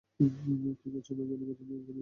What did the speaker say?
কী ঘটছে না জানা পর্যন্ত সবাই এখানেই থাকুন!